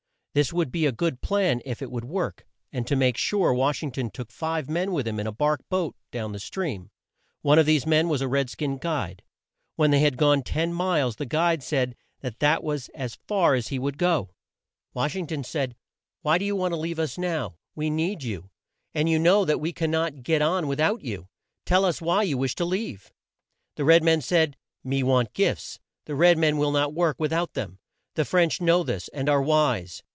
This would be a good plan, if it would work; and to make sure, Wash ing ton took five men with him in a bark boat down the stream. One of these men was a red skin guide. When they had gone ten miles, the guide said that that was as far as he would go. Wash ing ton said, "Why do you want to leave us now? We need you, and you know that we can not get on with out you. Tell us why you wish to leave." The red man said, "Me want gifts. The red men will not work with out them. The French know this, and are wise.